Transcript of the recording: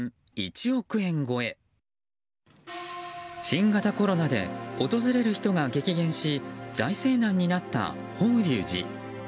新型コロナで訪れる人が激減し財政難になった法隆寺。